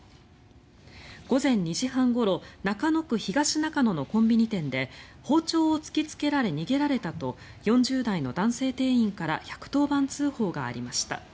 午前２時半ごろ中野区東中野のコンビニ店で包丁を突きつけられ逃げられたと４０代の男性店員から１１０番通報がありました。